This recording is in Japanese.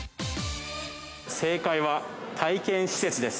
◆正解は、体験施設です。